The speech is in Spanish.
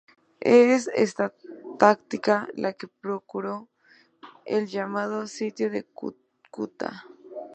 Es esta táctica la que procuró el llamado sitio de Cúcuta.